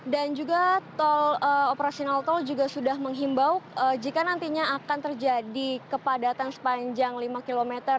dan juga operasional tol juga sudah menghimbau jika nantinya akan terjadi kepadatan sepanjang lima km